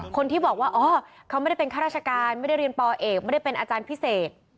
คนที่บอกว่าอ๋อเขาไม่ได้เป็นข้าราชการไม่ได้เรียนปเอกไม่ได้เป็นอาจารย์พิเศษ